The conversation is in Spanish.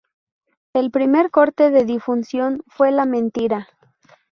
El primer corte de difusión fue "La mentira".